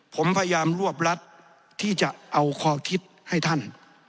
ผมพยายามรวบรัฐที่จะเอาคอคิดให้ท่าน